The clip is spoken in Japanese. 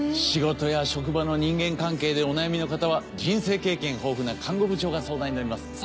仕事や職場の人間関係でお悩みの方は人生経験豊富な看護部長が相談に乗ります。